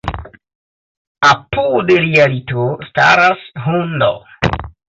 Apud lia lito staras hundo.